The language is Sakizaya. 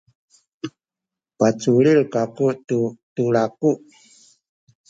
paculil kaku tu tulaku.